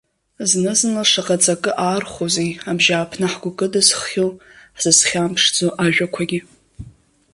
Зны-зынла шаҟа аҵакы аархәозеи, абжьааԥны ҳгәы кыдызххьоу, ҳзызхьамԥшӡо ажәақәагьы.